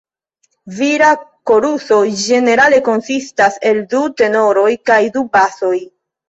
Vira koruso ĝenerale konsistas el du tenoroj kaj du basoj.